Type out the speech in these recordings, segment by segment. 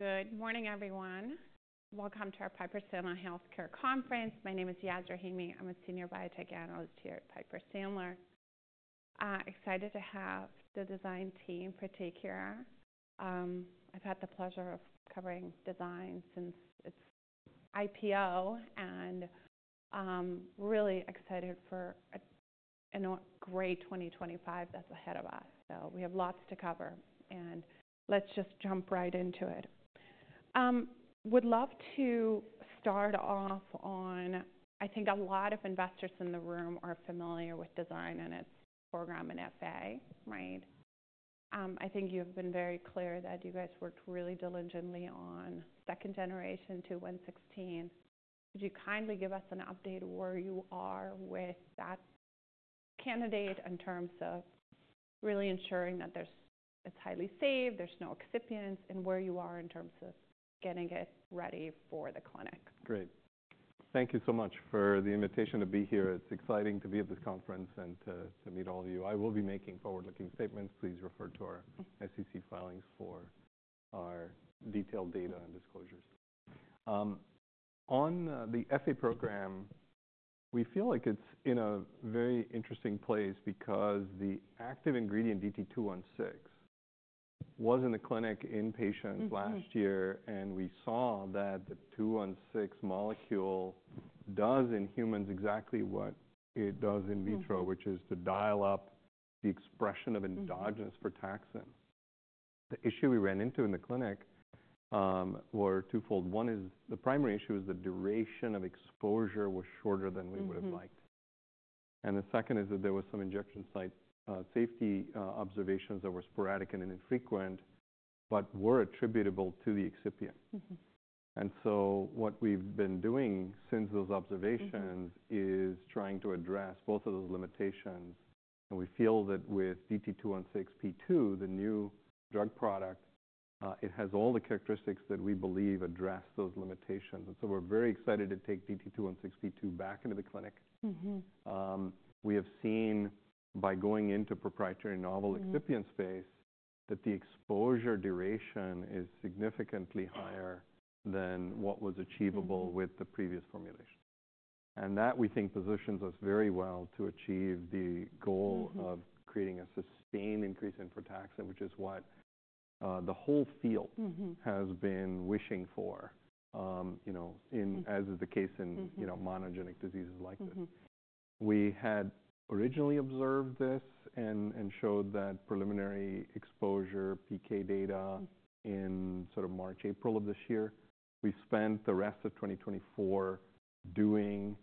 Good morning, everyone. Welcome to our Piper Sandler Healthcare Conference. My name is Yasmeen Rahimi. I'm a Senior Biotech Analyst here at Piper Sandler. Excited to have Design Therapeutics here. I've had the pleasure of covering Design Therapeutics since its IPO and really excited for a great 2025 that's ahead of us. So we have lots to cover, and let's just jump right into it. Would love to start off on, I think a lot of investors in the room are familiar with Design Therapeutics and its program in FA, right? I think you have been very clear that you guys worked really diligently on second generation DT-216. Could you kindly give us an update where you are with that candidate in terms of really ensuring that it's highly safe, there's no excipients, and where you are in terms of getting it ready for the clinic? Great. Thank you so much for the invitation to be here. It's exciting to be at this conference and to meet all of you. I will be making forward-looking statements. Please refer to our SEC filings for our detailed data and disclosures. On the FA program, we feel like it's in a very interesting place because the active ingredient DT-216 was in the clinic in patients last year, and we saw that the 216 molecule does in humans exactly what it does in vitro, which is to dial up the expression of endogenous frataxin. The issue we ran into in the clinic were twofold. One is the primary issue is the duration of exposure was shorter than we would have liked. And the second is that there were some injection site safety observations that were sporadic and infrequent but were attributable to the excipient. And so what we've been doing since those observations is trying to address both of those limitations. And we feel that with DT-216 v2, the new drug product, it has all the characteristics that we believe address those limitations. And so we're very excited to take DT-216 v2 back into the clinic. We have seen by going into proprietary novel excipient space that the exposure duration is significantly higher than what was achievable with the previous formulation. And that, we think, positions us very well to achieve the goal of creating a sustained increase in frataxin, which is what the whole field has been wishing for, as is the case in monogenic diseases like this. We had originally observed this and showed that preliminary exposure PK data in sort of March, April of this year. We spent the rest of 2024 doing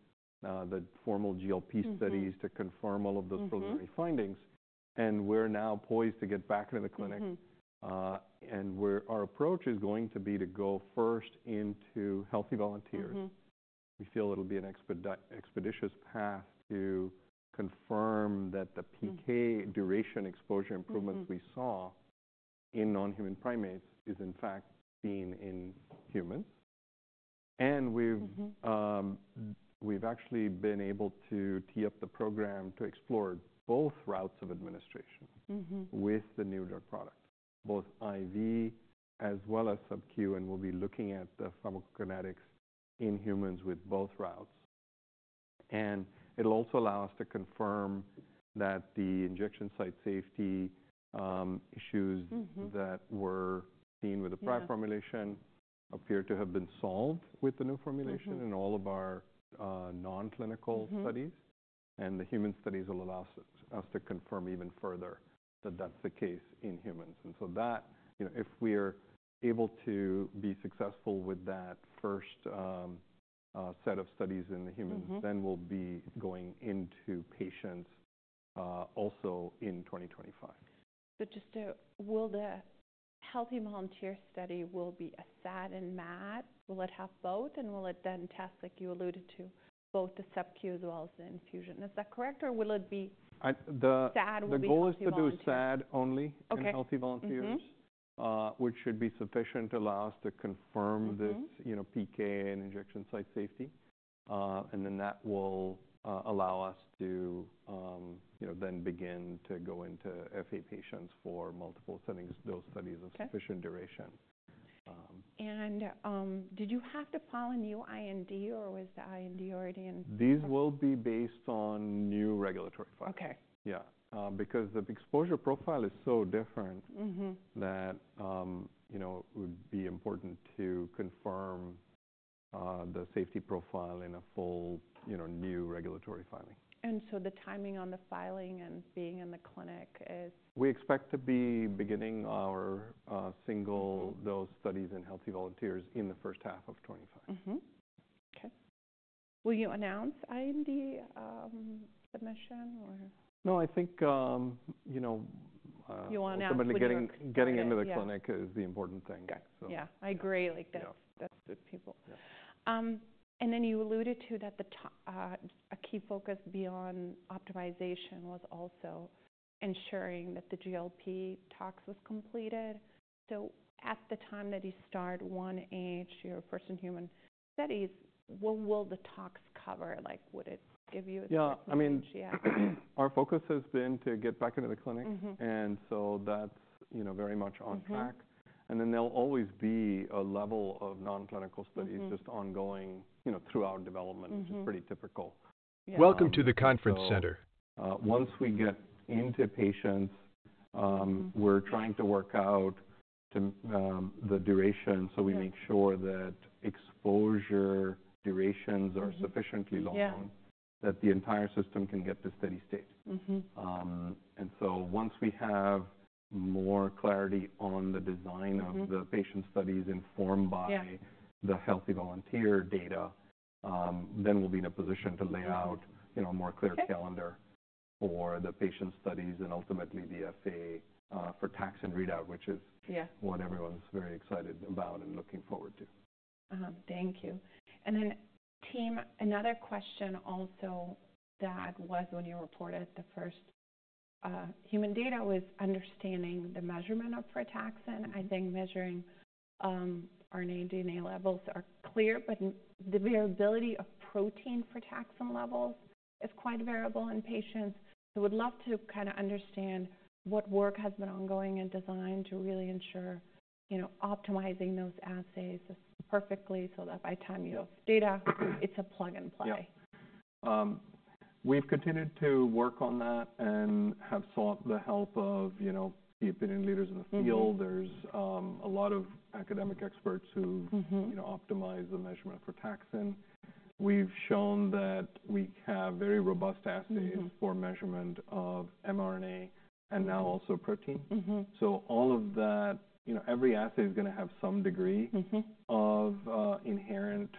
the formal GLP studies to confirm all of those preliminary findings, and we're now poised to get back into the clinic, and our approach is going to be to go first into healthy volunteers. We feel it'll be an expeditious path to confirm that the PK duration exposure improvements we saw in non-human primates is in fact seen in humans, and we've actually been able to tee up the program to explore both routes of administration with the new drug product, both IV as well as subcu, and we'll be looking at the pharmacokinetics in humans with both routes, and it'll also allow us to confirm that the injection site safety issues that were seen with the prior formulation appear to have been solved with the new formulation in all of our non-clinical studies. And the human studies will allow us to confirm even further that that's the case in humans. And so that, if we're able to be successful with that first set of studies in the humans, then we'll be going into patients also in 2025. But just to, will the healthy volunteer study be a SAD and MAD? Will it have both? And will it then test, like you alluded to, both the subcu as well as the infusion? Is that correct? Or will it be SAD only? The goal is to do SAD only in healthy volunteers, which should be sufficient to allow us to confirm this PK and injection site safety, and then that will allow us to then begin to go into FA patients for multiple settings, those studies of sufficient duration. Did you have to follow new IND, or was the IND already in? These will be based on new regulatory filing. Yeah. Because the exposure profile is so different that it would be important to confirm the safety profile in a full new regulatory filing. And so the timing on the filing and being in the clinic is. We expect to be beginning our single dose studies in healthy volunteers in the first half of 2025. Okay. Will you announce IND submission or? No, I think. You want to announce it. Somebody getting into the clinic is the important thing. Yeah. I agree. That's good people, and then you alluded to that a key focus beyond optimization was also ensuring that the GLP tox was completed, so at the time that you start IND, your first in human studies, what will the tox cover? Like, would it give you a chance? Yeah. I mean, our focus has been to get back into the clinic, and so that's very much on track, and then there'll always be a level of non-clinical studies just ongoing throughout development, which is pretty typical. Welcome to the conference center. Once we get into patients, we're trying to work out the duration so we make sure that exposure durations are sufficiently long that the entire system can get to steady state. And so once we have more clarity on the design of the patient studies informed by the healthy volunteer data, then we'll be in a position to lay out a more clear calendar for the patient studies and ultimately the FA readout, which is what everyone's very excited about and looking forward to. Thank you. And then, team, another question also that was when you reported the first human data was understanding the measurement of Frataxin. I think measuring RNA DNA levels are clear, but the variability of protein Frataxin levels is quite variable in patients. So we'd love to kind of understand what work has been ongoing in Design to really ensure optimizing those assays perfectly so that by the time you have data, it's a plug and play. We've continued to work on that and have sought the help of the opinion leaders in the field. There's a lot of academic experts who've optimized the measurement for frataxin. We've shown that we have very robust assays for measurement of mRNA and now also protein, so all of that, every assay is going to have some degree of inherent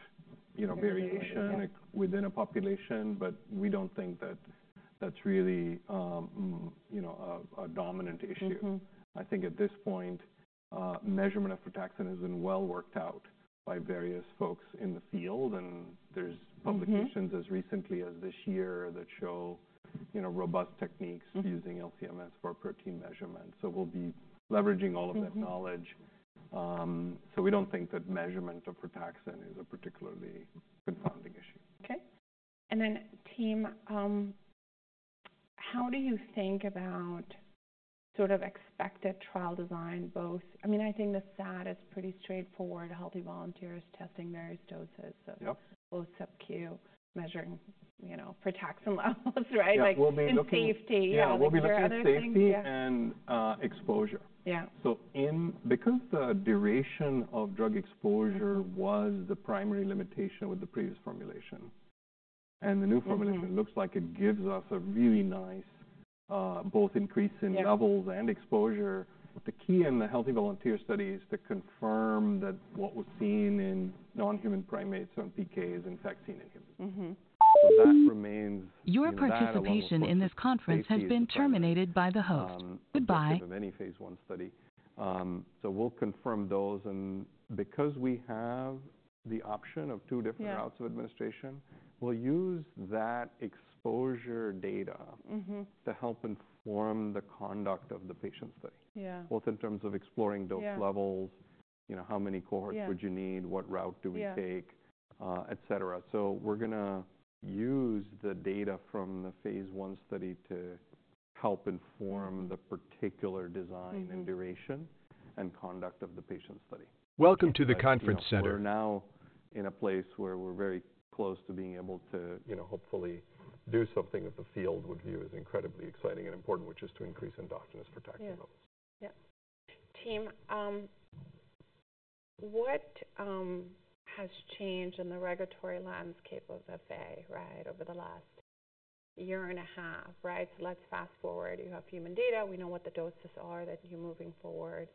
variation within a population, but we don't think that that's really a dominant issue. I think at this point, measurement of frataxin has been well worked out by various folks in the field, and there's publications as recently as this year that show robust techniques using LC-MS for protein measurement, so we'll be leveraging all of that knowledge, so we don't think that measurement of frataxin is a particularly confounding issue. Okay. And then, team, how do you think about sort of expected trial design? I mean, I think the SAD is pretty straightforward, healthy volunteers testing various doses of both subcu measuring frataxin levels, right? Yeah. We'll be looking at safety. Yeah. Yeah. We'll be looking at safety and exposure. So because the duration of drug exposure was the primary limitation with the previous formulation and the new formulation looks like it gives us a really nice both increase in levels and exposure, the key in the healthy volunteer study is to confirm that what was seen in non-human primates on PK is in fact seen in humans. So that remains. Your participation in this conference has been terminated by the host. Goodbye. phase one study. So we'll confirm those. And because we have the option of two different routes of administration, we'll use that exposure data to help inform the conduct of the patient study, both in terms of exploring dose levels, how many cohorts would you need, what route do we take, et cetera. So we're going to use the data from the phase one study to help inform the particular design and duration and conduct of the patient study. Welcome to the conference center. We're now in a place where we're very close to being able to hopefully do something that the field would view as incredibly exciting and important, which is to increase endogenous frataxin levels. Yeah. Team, what has changed in the regulatory landscape of FA, right, over the last year and a half, right? So let's fast forward. You have human data. We know what the doses are that you're moving forward.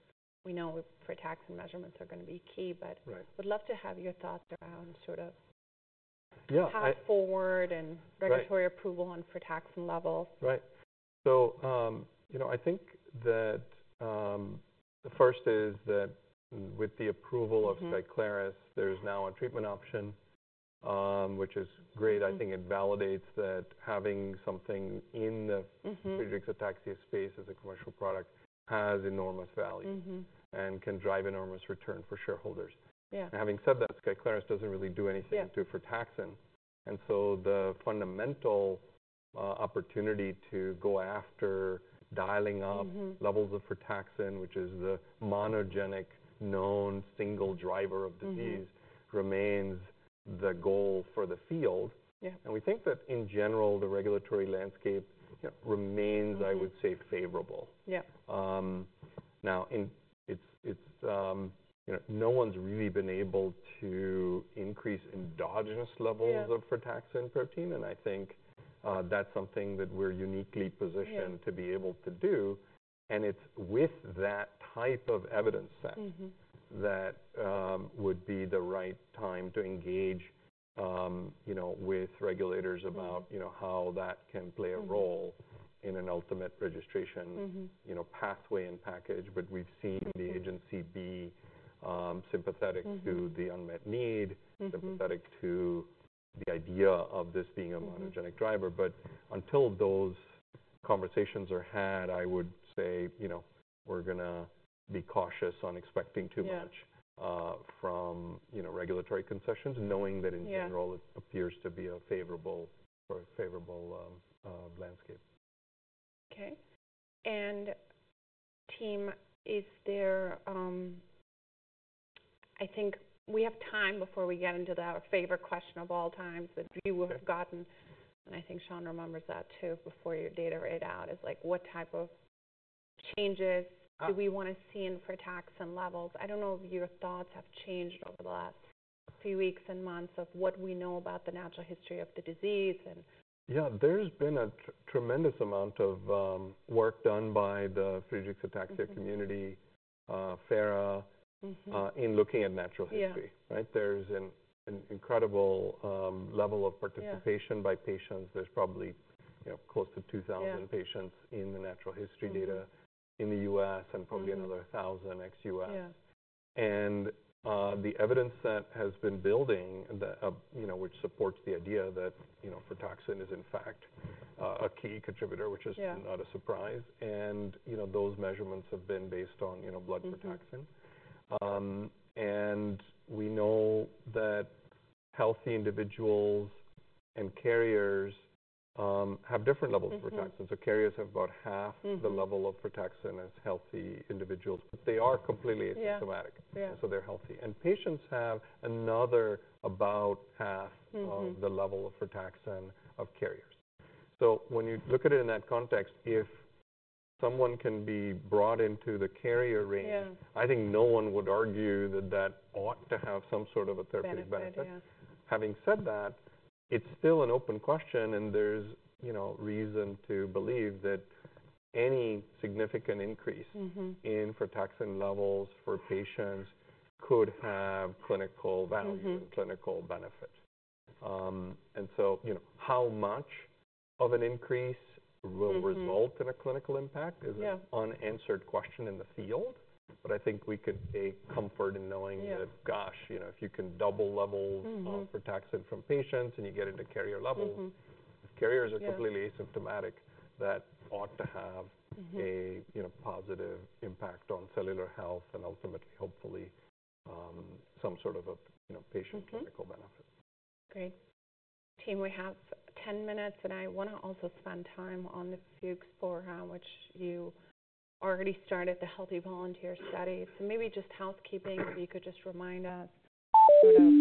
We know Frataxin measurements are going to be key, but would love to have your thoughts around sort of fast forward and regulatory approval on Frataxin levels. Right. So I think that the first is that with the approval of Skyclarys, there's now a treatment option, which is great. I think it validates that having something in the Friedreich's ataxia space as a commercial product has enormous value and can drive enormous return for shareholders. Having said that, Skyclarys doesn't really do anything to frataxin. So the fundamental opportunity to go after dialing up levels of frataxin, which is the monogenic known single driver of disease, remains the goal for the field. We think that in general, the regulatory landscape remains, I would say, favorable. Now, no one's really been able to increase endogenous levels of frataxin protein. I think that's something that we're uniquely positioned to be able to do. It's with that type of evidence set that would be the right time to engage with regulators about how that can play a role in an ultimate registration pathway and package. We've seen the agency be sympathetic to the unmet need, sympathetic to the idea of this being a monogenic driver. Until those conversations are had, I would say we're going to be cautious on expecting too much from regulatory concessions, knowing that in general, it appears to be a favorable landscape. Okay. And, team, I think we have time before we get into the favorite question of all times that you would have gotten, and I think Sean remembers that too before your data read out, is like what type of changes do we want to see in frataxin levels? I don't know if your thoughts have changed over the last few weeks and months of what we know about the natural history of the disease and. Yeah. There's been a tremendous amount of work done by the Friedreich's ataxia community, FARA, in looking at natural history, right? There's an incredible level of participation by patients. There's probably close to 2,000 patients in the natural history data in the U.S. and probably another 1,000 ex-U.S., and the evidence set has been building, which supports the idea that frataxin is in fact a key contributor, which is not a surprise, and those measurements have been based on blood frataxin, and we know that healthy individuals and carriers have different levels of frataxin, so carriers have about half the level of frataxin as healthy individuals, but they are completely asymptomatic, and so they're healthy, and patients have another about half of the level of frataxin of carriers. So when you look at it in that context, if someone can be brought into the carrier range, I think no one would argue that that ought to have some sort of a therapeutic benefit. Having said that, it's still an open question, and there's reason to believe that any significant increase in frataxin levels for patients could have clinical value and clinical benefit. And so how much of an increase will result in a clinical impact is an unanswered question in the field. But I think we could take comfort in knowing that, gosh, if you can double levels of frataxin from patients and you get into carrier levels, if carriers are completely asymptomatic, that ought to have a positive impact on cellular health and ultimately, hopefully, some sort of a patient clinical benefit. Great. Team, we have 10 minutes, and I want to also spend time on the Fuchs program, which you already started the healthy volunteer study. So maybe just housekeeping, if you could just remind us sort of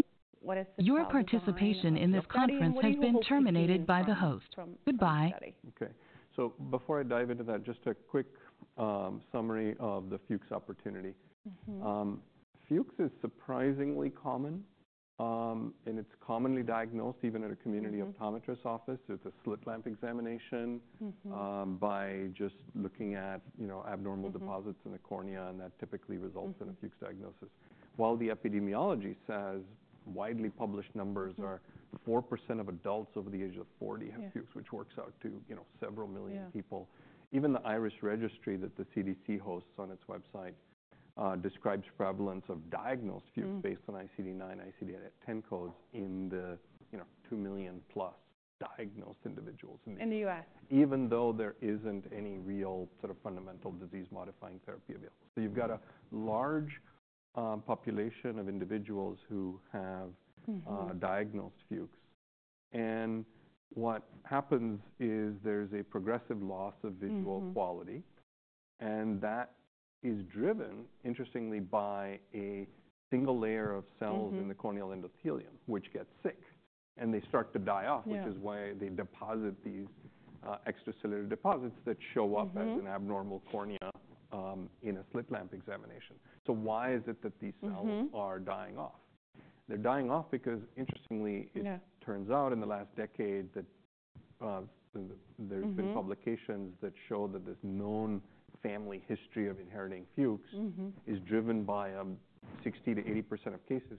what is the. Your participation in this conference has been terminated by the host. Goodbye. Okay. So before I dive into that, just a quick summary of the Fuchs' opportunity. Fuchs is surprisingly common, and it's commonly diagnosed even at a community optometrist office. It's a slit lamp examination by just looking at abnormal deposits in the cornea, and that typically results in a Fuchs' diagnosis. While the epidemiology says widely published numbers are 4% of adults over the age of 40 have Fuchs, which works out to several million people. Even the IRIS Registry that the CDC hosts on its website describes prevalence of diagnosed Fuchs based on ICD-9, ICD-10 codes in the 2 million plus diagnosed individuals. In the U.S. Even though there isn't any real sort of fundamental disease-modifying therapy available, so you've got a large population of individuals who have diagnosed Fuchs, and what happens is there's a progressive loss of visual quality, and that is driven, interestingly, by a single layer of cells in the corneal endothelium, which gets sick, and they start to die off, which is why they deposit these extracellular deposits that show up as an abnormal cornea in a slit lamp examination, so why is it that these cells are dying off? They're dying off because, interestingly, it turns out in the last decade that there have been publications that show that this known family history of inheriting Fuchs is driven by 60%-80% of cases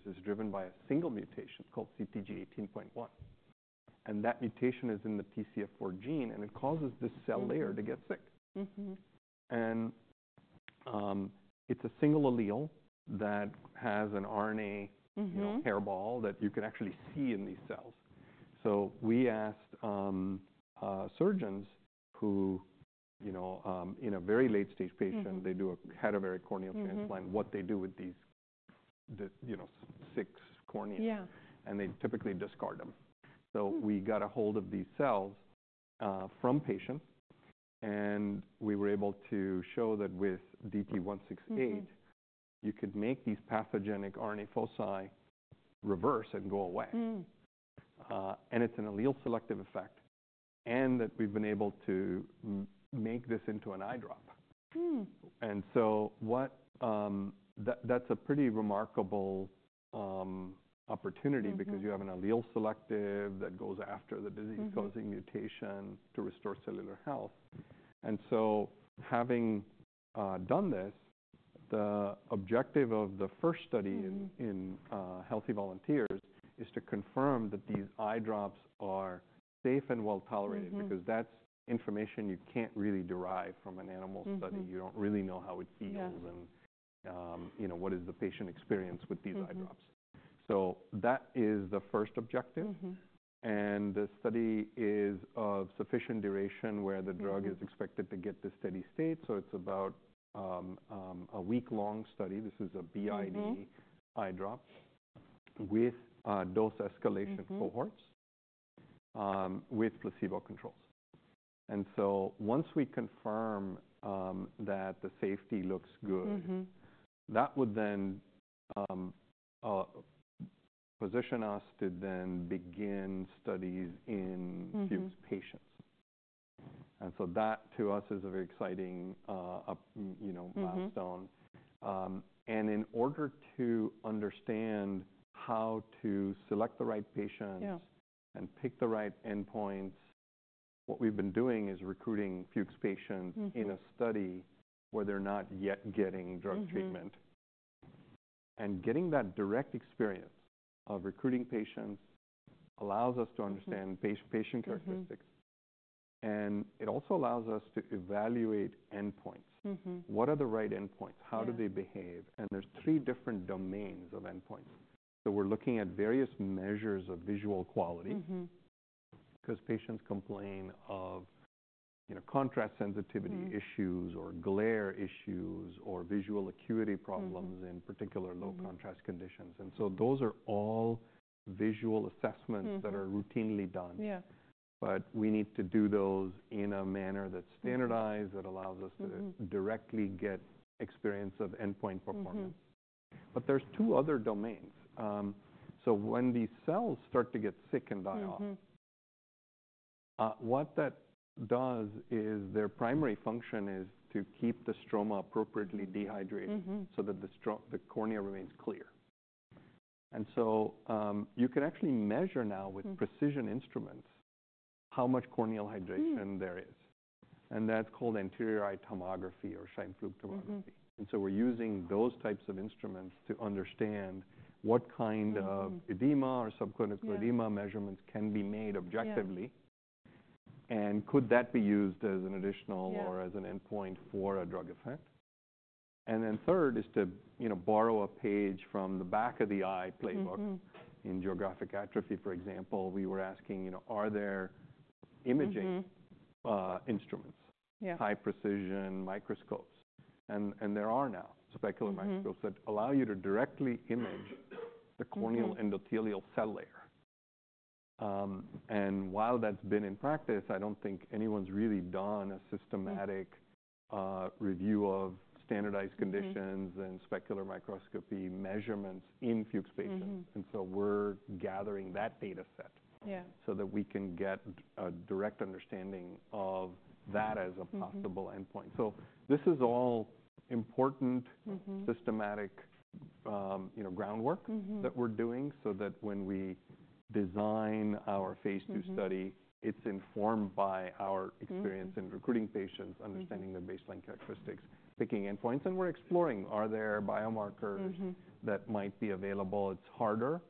by a single mutation called CTG18.1, and that mutation is in the TCF4 gene, and it causes this cell layer to get sick. And it's a single allele that has an RNA hairball that you can actually see in these cells. So we asked surgeons who, in a very late-stage patient, they do a cadaveric corneal transplant, what they do with these sick cornea, and they typically discard them. So we got a hold of these cells from patients, and we were able to show that with DT-168, you could make these pathogenic RNA foci reverse and go away. And it's an allele selective effect, and that we've been able to make this into an eyedrop. And so that's a pretty remarkable opportunity because you have an allele selective that goes after the disease-causing mutation to restore cellular health. And so having done this, the objective of the first study in healthy volunteers is to confirm that these eyedrops are safe and well tolerated because that's information you can't really derive from an animal study. You don't really know how it feels and what is the patient experience with these eyedrops. So that is the first objective. And the study is of sufficient duration where the drug is expected to get to steady state. So it's about a week-long study. This is a BID eyedrop with dose escalation cohorts with placebo controls. And so once we confirm that the safety looks good, that would then position us to then begin studies in Fuchs patients. And so that, to us, is a very exciting milestone. In order to understand how to select the right patients and pick the right endpoints, what we've been doing is recruiting Fuchs patients in a study where they're not yet getting drug treatment. Getting that direct experience of recruiting patients allows us to understand patient characteristics. It also allows us to evaluate endpoints. What are the right endpoints? How do they behave? There's three different domains of endpoints. We're looking at various measures of visual quality because patients complain of contrast sensitivity issues or glare issues or visual acuity problems in particular low contrast conditions. Those are all visual assessments that are routinely done. We need to do those in a manner that's standardized that allows us to directly get experience of endpoint performance. There's two other domains. So when these cells start to get sick and die off, what that does is their primary function is to keep the stroma appropriately dehydrated so that the cornea remains clear. And so you can actually measure now with precision instruments how much corneal hydration there is. And that's called anterior eye tomography or Scheimpflug tomography. And so we're using those types of instruments to understand what kind of edema or subclinical edema measurements can be made objectively. And could that be used as an additional or as an endpoint for a drug effect? And then third is to borrow a page from the back of the eye playbook. In geographic atrophy, for example, we were asking, are there imaging instruments, high-precision microscopes? And there are now specular microscopes that allow you to directly image the corneal endothelial cell layer. And while that's been in practice, I don't think anyone's really done a systematic review of standardized conditions and specular microscopy measurements in Fuchs patients. And so we're gathering that data set so that we can get a direct understanding of that as a possible endpoint. So this is all important, systematic groundwork that we're doing so that when we design our phase two study, it's informed by our experience in recruiting patients, understanding their baseline characteristics, picking endpoints. And we're exploring, are there biomarkers that might be available? It's harder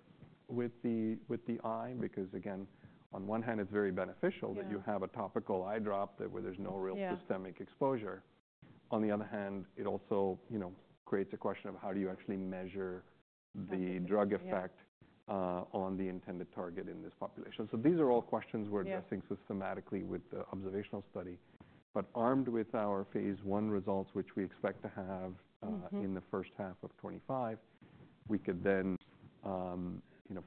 with the eye because, again, on one hand, it's very beneficial that you have a topical eyedrop where there's no real systemic exposure. On the other hand, it also creates a question of how do you actually measure the drug effect on the intended target in this population. So these are all questions we're addressing systematically with the observational study. But armed with our phase one results, which we expect to have in the first half of 2025, we could then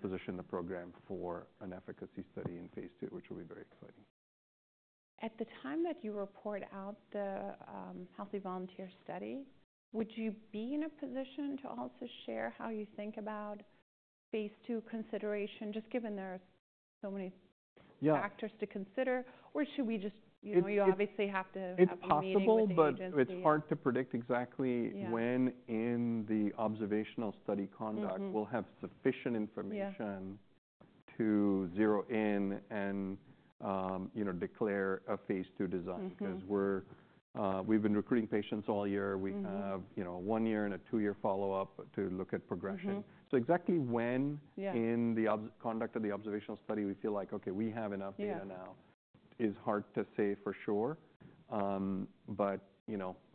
position the program for an efficacy study in phase two, which will be very exciting. At the time that you report out the healthy volunteer study, would you be in a position to also share how you think about phase two consideration, just given there are so many factors to consider, or should we just, you obviously have to have a phase two decision? It's possible, but it's hard to predict exactly when in the observational study conduct we'll have sufficient information to zero in and declare a phase two design because we've been recruiting patients all year. We have a one-year and a two-year follow-up to look at progression, so exactly when in the conduct of the observational study we feel like, okay, we have enough data now, is hard to say for sure, but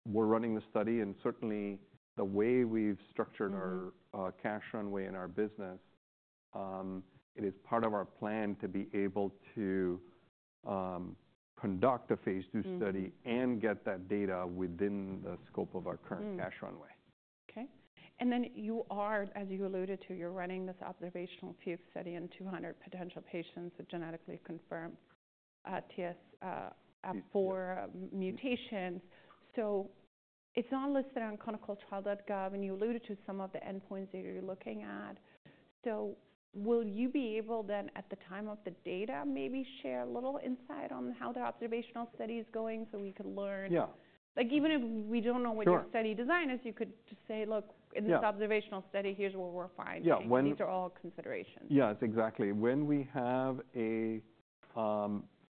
we're running the study, and certainly the way we've structured our cash runway in our business, it is part of our plan to be able to conduct a phase two study and get that data within the scope of our current cash runway. Okay. And then you are, as you alluded to, you're running this observational Fuchs study in 200 potential patients with genetically confirmed TCF4 mutations. So it's all listed on ClinicalTrials.gov, and you alluded to some of the endpoints that you're looking at. So will you be able then, at the time of the data, maybe share a little insight on how the observational study is going so we could learn? Even if we don't know what your study design is, you could just say, "Look, in this observational study, here's what we're finding. These are all considerations. Yeah, that's exactly. When we have a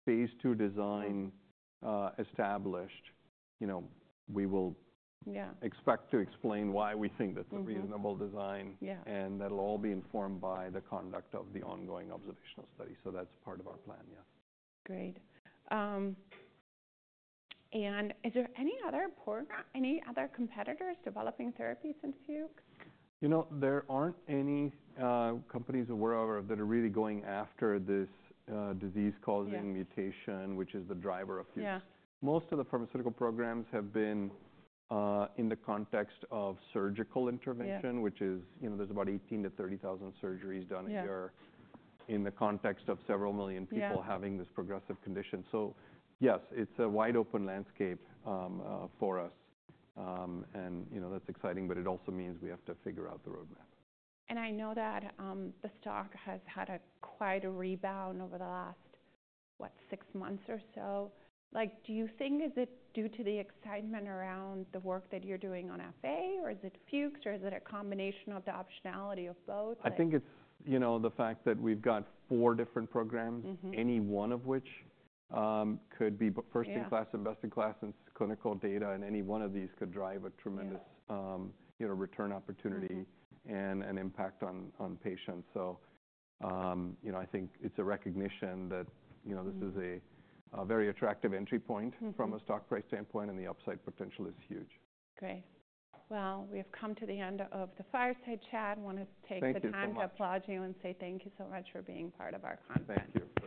phase 2 design established, we will expect to explain why we think that's a reasonable design, and that'll all be informed by the conduct of the ongoing observational study. So that's part of our plan, yes. Great. And is there any other competitors developing therapies in Fuchs? There aren't any companies or wherever that are really going after this disease-causing mutation, which is the driver of Fuchs. Most of the pharmaceutical programs have been in the context of surgical intervention, which is, there's about 18,000-30,000 surgeries done a year in the context of several million people having this progressive condition. So yes, it's a wide open landscape for us. And that's exciting, but it also means we have to figure out the roadmap. I know that the stock has had quite a rebound over the last, what, six months or so. Do you think is it due to the excitement around the work that you're doing on FA, or is it Fuchs, or is it a combination of the optionality of both? I think it's the fact that we've got four different programs, any one of which could be first-in-class and best-in-class in clinical data, and any one of these could drive a tremendous return opportunity and impact on patients. So I think it's a recognition that this is a very attractive entry point from a stock price standpoint, and the upside potential is huge. Great. We have come to the end of the fireside chat. I want to take the time to applaud you and say thank you so much for being part of our conference. Thank you for.